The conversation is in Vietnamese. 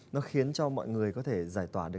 nó khiến cho mọi người có thể giải tỏa được